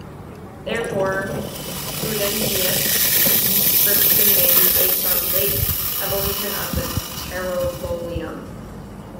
Therefore, Prudentius' description may be based on a late evolution of the "taurobolium".